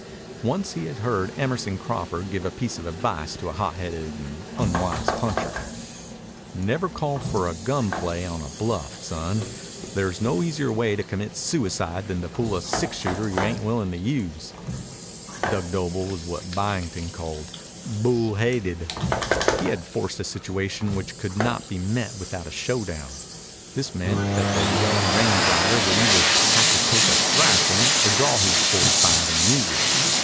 Once he had heard Emerson Crawford give a piece of advice to a hotheaded and unwise puncher. "Never call for a gun play on a bluff, son. There's no easier way to commit suicide than to pull a six shooter you ain't willin' to use." Dug Doble was what Byington called "bull haided." He had forced a situation which could not be met without a showdown. This meant that the young range rider would either have to take a thrashing or draw his forty five and use it.